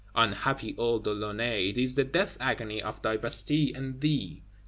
Unhappy old De Launay, it is the death agony of thy Bastille and thee!